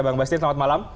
bang sebastian selamat malam